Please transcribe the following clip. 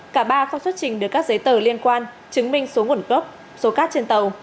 cả ba không xuất trình được các giấy tờ liên quan chứng minh số nguồn gốc số cát trên tàu